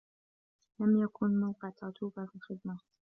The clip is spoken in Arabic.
لم يكن موقع تاتوبا في الخدمة.